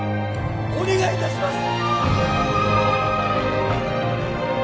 お願いいたします！